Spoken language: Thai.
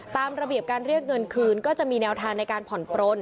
ตามระเบียบการเรียกเงินคืนก็จะมีแนวทางในการผ่อนปลน